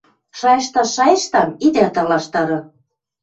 — Шайышташ, шайыштам — идӓ талаштары...